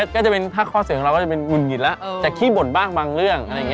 แต่มันก็ต้องมีข้อเสียบ้างแหละ